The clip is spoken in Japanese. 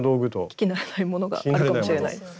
聞き慣れないものがあるかもしれないです。